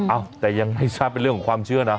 อ้าวแต่ยังไม่ทราบเป็นเรื่องของความเชื่อนะ